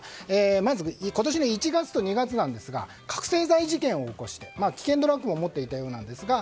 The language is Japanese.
まず今年１月と２月ですが覚醒剤事件を起こして危険ドラッグも持っていたようですが。